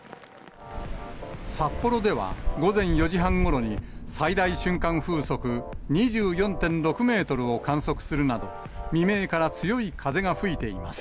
札幌では午前４時半ごろに、最大瞬間風速２４．６メートルを観測するなど、未明から強い風が吹いています。